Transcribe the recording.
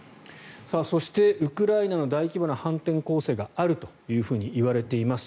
そしてウクライナの大規模な反転攻勢があるといわれています。